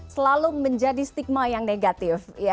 selalu menjadi stigma yang negatif